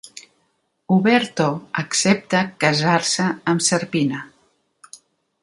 Uberto accepta casar-se amb Serpina.